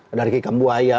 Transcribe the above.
ada riki kambuaya